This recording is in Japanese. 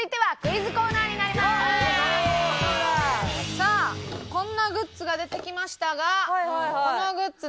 さあこんなグッズが出てきましたが。